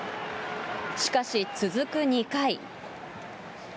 しかし、続く２回。